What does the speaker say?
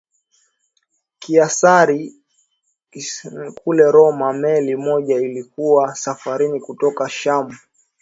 Kaisari Konstantino kule Roma meli moja ilikuwa safarini kutoka Shamu